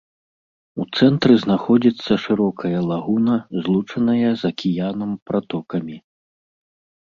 У цэнтры знаходзіцца шырокая лагуна, злучаная з акіянам пратокамі.